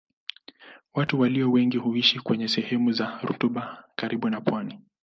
Watu walio wengi huishi kwenye sehemu za rutuba karibu na pwani.